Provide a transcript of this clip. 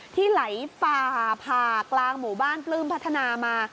ที่ไหลฝ่าผ่ากลางหมู่บ้านปลื้มพัฒนามา